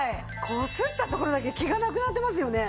こすった所だけ毛がなくなってますよね。